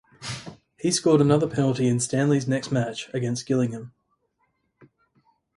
He scored another penalty in Stanley's next match against Gillingham.